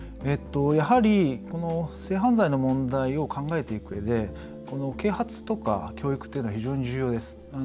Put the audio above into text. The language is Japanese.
やはりこの性犯罪の問題を考えていくうえで啓発とか教育というのは非常に重要です。